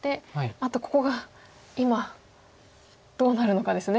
あとここが今どうなるのかですね。